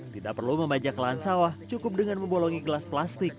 tidak perlu membajak lahan sawah cukup dengan membolongi gelas plastik